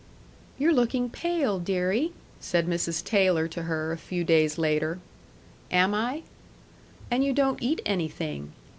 "You're looking pale, deary," said Mrs. Taylor to her, a few days later. "Am I?" "And you don't eat anything."